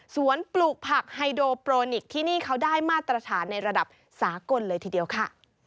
ปลูกผักไฮโดโปรนิกที่นี่เขาได้มาตรฐานในระดับสากลเลยทีเดียวค่ะ